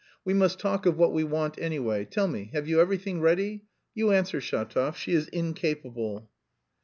We must talk of what we want, anyway: tell me, have you anything ready? You answer, Shatov, she is incapable."